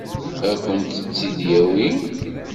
Ad kent-tt-id-yawi?